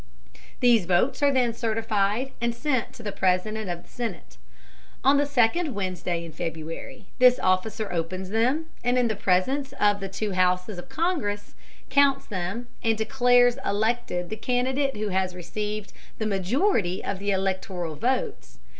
These votes are then certified and sent to the President of the Senate. On the second Wednesday in February, this officer opens them, and in the presence of the two houses of Congress, counts them, and declares elected the candidate who has received the majority of the electoral votes.